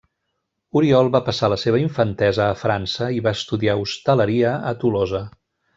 Oriol va passar la seva infantesa a França i va estudiar hostaleria a Tolosa.